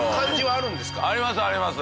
ありますあります。